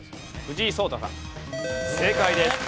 正解です。